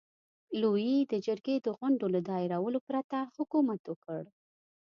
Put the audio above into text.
لويي د جرګې د غونډو له دایرولو پرته حکومت وکړ.